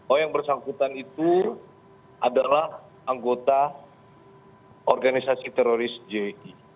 oh yang bersangkutan itu adalah anggota organisasi teroris ji